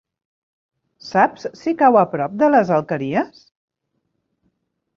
Saps si cau a prop de les Alqueries?